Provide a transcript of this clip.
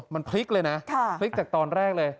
มันพลิกเลยนะพลิกจากตอนแรกเลย